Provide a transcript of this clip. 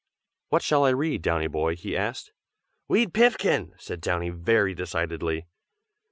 "What shall I read, Downy boy?" he asked. "Wead Pinfkin!" said Downy very decidedly.